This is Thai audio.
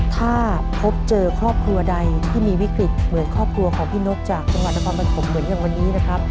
ถ้าพบเจอครอบครัวใดที่มีวิกฤตเหมือนครอบครัวของพี่นกจากจังหวัดนครปฐมเหมือนอย่างวันนี้นะครับ